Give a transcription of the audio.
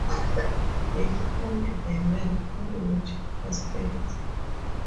They owned the land on which it was built.